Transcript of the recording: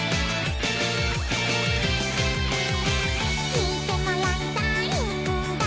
「聴いてもらいたいんだ」